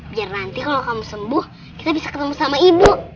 biar nanti kalau kamu sembuh kita bisa ketemu sama ibu